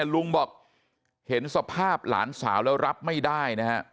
ลุงบอกเห็นสภาพหลานสาวแล้วรับไม่ได้นะฮะ